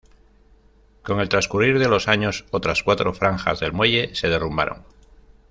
Con el transcurrir de los años, otras cuatro franjas del muelle se derrumbaron.